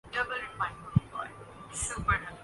یہ اصلاحات خود ایک انقلاب تھا۔